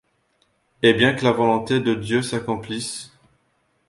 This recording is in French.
Eh bien, que la volonté de Dieu s’accomplisse!